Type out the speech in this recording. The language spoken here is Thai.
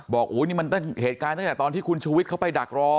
บอกว่านี่มันเป็นเหตุการณ์ตั้งแต่ตอนที่คุณชูวิทเข้าไปดักรอ